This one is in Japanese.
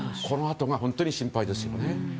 このあとが本当に心配ですね。